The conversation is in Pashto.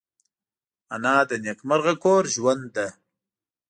انا د نیکمرغه کور ژوند ده